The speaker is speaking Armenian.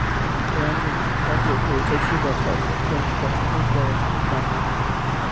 Դրան զուգընթաց, երբևիցե չի բացահայտվում, թե ինչ պաշտոն է զբաղեցնում նա։